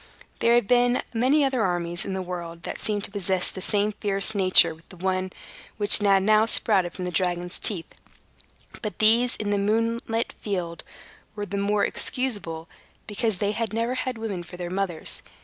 There have been many other armies in the world that seemed to possess the same fierce nature with the one which had now sprouted from the dragon's teeth; but these, in the moonlit field, were the more excusable, because they never had women for their mothers.